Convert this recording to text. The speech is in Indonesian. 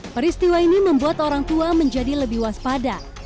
peristiwa ini membuat orang tua menjadi lebih waspada